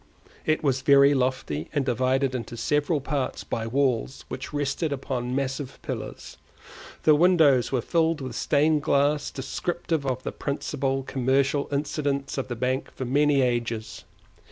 It was very lofty and divided into several parts by walls which rested upon massive pillars; the windows were filled with stained glass descriptive of the principal commercial incidents of the bank for many ages.